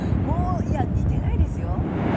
いや似てないですよ。